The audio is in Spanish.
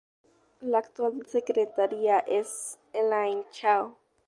La actual secretaria es Elaine Chao.